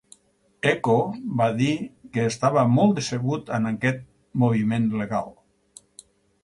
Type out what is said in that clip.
Ecko va dir que estava molt decebut amb aquest moviment legal.